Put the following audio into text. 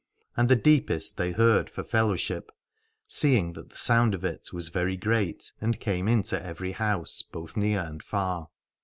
And the deepest they heard for fellowship, seeing that the sound of it was very great and came into every house both near and far.